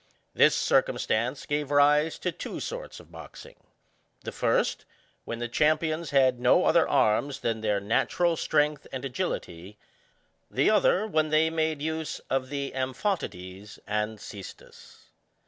This circumstance gave rise to two sorts of boxing. The first, when the champions had no other arms than their natural strength and agility ; the other, when they made use of the ampAotides and ccestus.